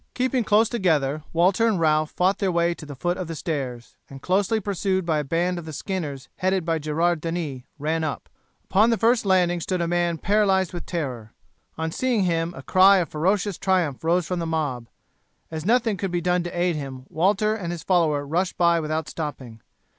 Keeping close together Walter and Ralph fought their way to the foot of the stairs, and closely pursued by a band of the skinners headed by Gerard Denis, ran up. Upon the first landing stood a man paralysed with terror. On seeing him a cry of ferocious triumph rose from the mob. As nothing could be done to aid him Walter and his follower rushed by without stopping.